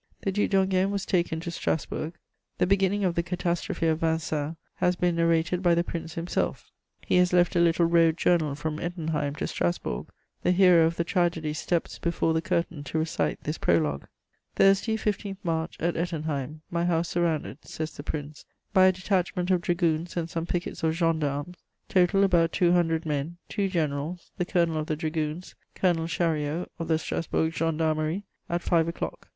The Duc d'Enghien was taken to Strasburg. The beginning of the catastrophe of Vincennes has been narrated by the Prince himself: he has left a little road journal from Ettenheim to Strasburg; the hero of the tragedy steps before the curtain to recite this prologue: "Thursday 15 March, at Ettenheim, my house surrounded," says the Prince, "by a detachment of dragoons and some pickets of gendarmes, total about two hundred men, two generals, the colonel of the dragoons, Colonel Chariot of the Strasburg Gendarmerie, at five o'clock.